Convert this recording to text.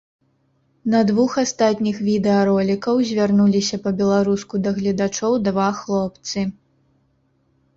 На двух астатніх відэаролікаў звярнуліся па-беларуску да гледачоў два хлопцы.